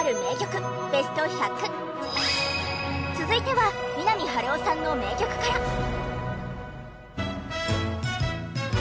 続いては三波春夫さんの名曲から。